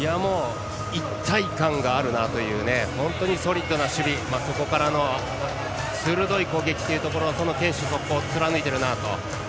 一体感があるなというソリッドな守備、そこからの鋭い攻撃というところを堅守速攻、貫いているなと。